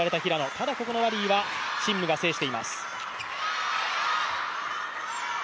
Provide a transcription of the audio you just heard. ただここのラリーは陳夢が制しています。